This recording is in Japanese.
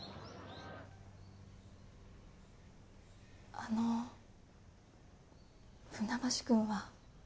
あの船橋くんは？